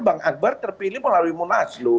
bang akbar terpilih melalui munaslu